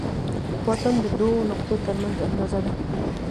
واټن د دوو نقطو تر منځ اندازه ده.